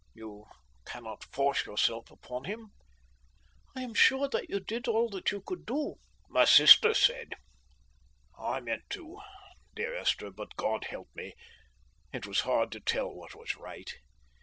You cannot force yourself upon him." "I am sure that you did all you could do," my sister said. "I meant to, dear Esther, but, God help me, it was hard to tell what was right.